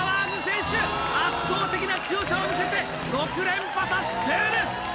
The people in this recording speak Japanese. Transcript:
圧倒的な強さを見せて６連覇達成です！